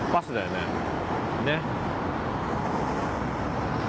ねっ。